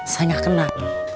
saya gak kenal